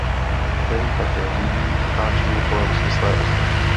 Ten také řídí otáčení kolem svislé osy.